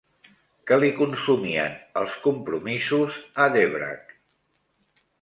Què li consumien els compromisos a Dvořák?